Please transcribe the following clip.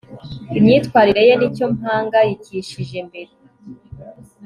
imyitwarire ye nicyo mpangayikishije mbere